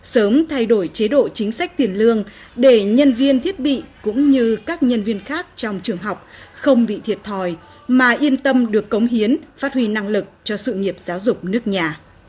sớm thay đổi chế độ chính sách tiền lương để nhân viên thiết bị cũng như các nhân viên khác trong trường học không bị thiệt thòi mà yên tâm được cống hiến phát huy năng lực cho sự nghiệp giáo dục nước nhà